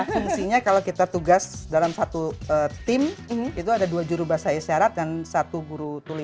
fungsinya kalau kita tugas dalam satu tim itu ada dua juru bahasa isyarat dan satu guru tuli